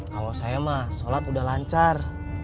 kalau saya mah sholat udah lancar